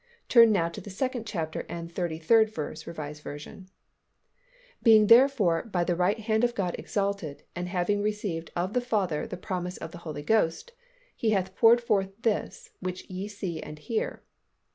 Turn now to the second chapter and the thirty third verse, R. V., "Being therefore by the right hand of God exalted, and having received of the Father the promise of the Holy Ghost, He hath poured forth this, which ye see and hear."